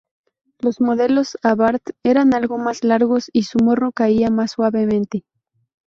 Los modelos Abarth eran algo más largos y su morro caía más suavemente.